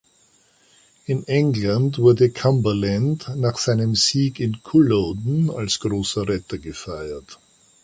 In England wurde Cumberland nach seinem Sieg in Culloden als großer Retter gefeiert.